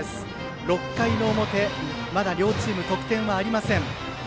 ６回の表まだ両チーム得点はありません。